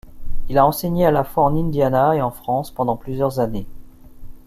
Il a enseigné à la fois en Indiana et en France pendant plusieurs années.